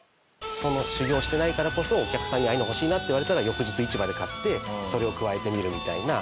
修業してないからこそお客さんに「ああいうの欲しいな」って言われたら翌日市場で買ってそれを加えてみるみたいな。